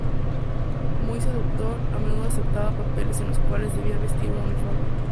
Muy seductor, a menudo aceptaba papeles en los cuales debía vestir un uniforme.